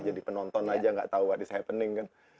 jadi penonton aja nggak tahu what is happening